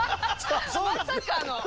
まさかの。